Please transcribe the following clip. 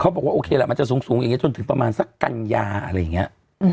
บอกว่าโอเคล่ะมันจะสูงอย่างนี้จนถึงประมาณสักกัญญาอะไรอย่างนี้